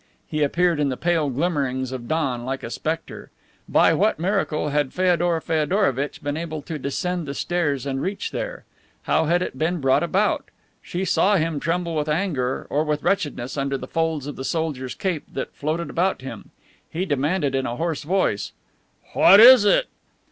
He appeared in the pale glimmerings of dawn like a specter. By what miracle had Feodor Feodorovitch been able to descend the stairs and reach there? How had it been brought about? She saw him tremble with anger or with wretchedness under the folds of the soldier's cape that floated about him. He demanded in a hoarse voice, "What is it?"